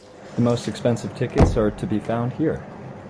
The most expensive tickets are to be found here.